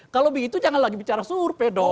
kalau begitu jangan lagi bicara survei dong